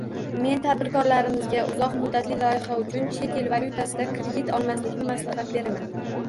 Men tadbirkorlarimizga uzoq muddatli loyihalar uchun chet el valyutasida kredit olmaslikni maslahat beraman